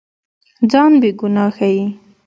ځان بېګناه ښيي.